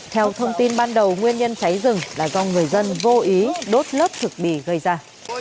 theo thông tin ban đầu nguyên nhân cháy rừng là do người dân vô ý đốt lớp thực bì gây ra